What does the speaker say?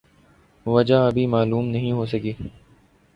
جہ ابھی معلوم نہیں ہو سکی